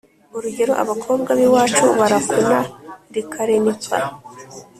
urugero :« abakobwa b'iwacuj ba rakuna rikarenpa/